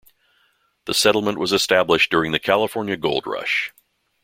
The settlement was established during the California Gold Rush.